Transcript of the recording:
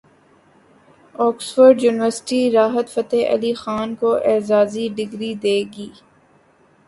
Oxford University Rahat Fateh Ali Khan کو اعزازی degree دے گی